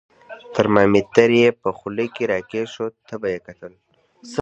ترمامیتر یې په خوله کې را کېښود، تبه یې کتل.